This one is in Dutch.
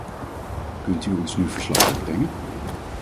Kunt u ons nu verslag uitbrengen?